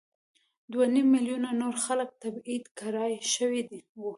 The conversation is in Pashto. دوه نیم میلیونه نور خلک تبعید کړای شوي وو.